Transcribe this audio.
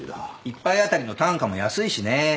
一杯当たりの単価も安いしね。